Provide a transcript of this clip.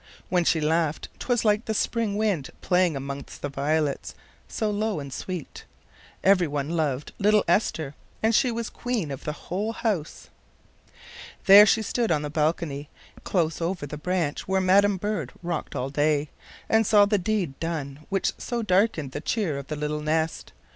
When she laughed 'twas like the spring wind playing amongst the violets, so low and sweet. Every one loved little Esther, and she was queen of the whole house. There she stood on the balcony, close over the branch where madam bird rocked all day, and saw the deed done which so darkened the cheer of the little nest.